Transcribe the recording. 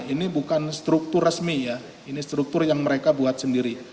ini bukan struktur resmi ya ini struktur yang mereka buat sendiri